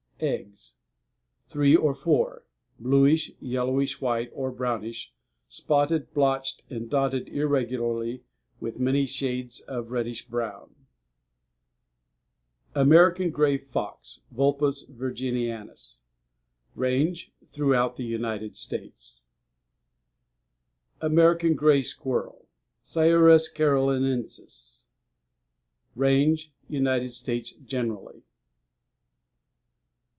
EGGS Three or four; bluish, yellowish white, or brownish, spotted, blotched, and dotted irregularly with many shades of reddish brown. Page 107. =AMERICAN GRAY FOX.= Vulpes virginianus. RANGE Throughout the United States. Page 111. =AMERICAN GRAY SQUIRREL.= Sciurus carolinensis. RANGE United States generally.